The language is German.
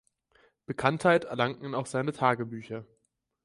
Bekanntheit erlangten auch seine Tagebücher.